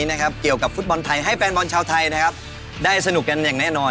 ฝากความรู้สึกถึงแฟนบอลเช้าไทยหน่อย